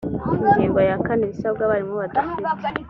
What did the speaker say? ingingo ya kane ibisabwa abarimu badafite